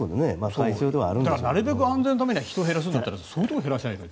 なるべく安全のためには人を減らすんだったらそういうところを減らせばいいのに。